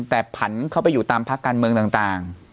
แต่ผันเข้าไปอยู่ตามพักการเมืองต่าง